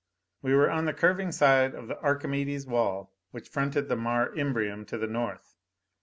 We were on the curving side of the Archimedes wall which fronted the Mare Imbrium to the north.